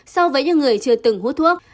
so với những người chưa từng hút thuốc